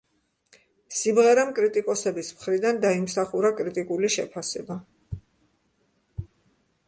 სიმღერამ კრიტიკოსების მხრიდან დაიმსახურა კრიტიკული შეფასება.